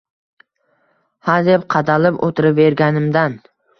Hadeb qadalib o‘tiraverganimdan